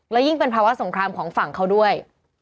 และยิ่งเป็นภาวะสงครามของฝั่งเขาด้วย